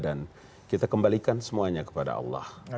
dan kita kembalikan semuanya kepada allah